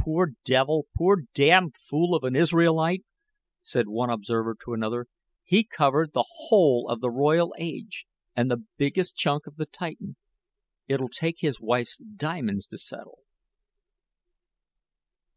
"Poor devil poor damn fool of an Israelite," said one observer to another. "He covered the whole of the Royal Age, and the biggest chunk of the Titan. It'll take his wife's diamonds to settle."